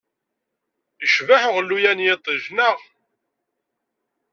Yecbeḥ uɣelluy-a n yiṭij, neɣ?